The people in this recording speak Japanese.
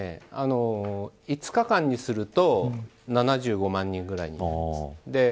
５日間にすると７５万人ぐらいになります。